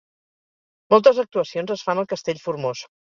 Moltes actuacions es fan al Castell Formós.